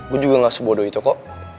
gue juga gak sebodoh itu kok